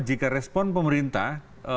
jika respon pemerintah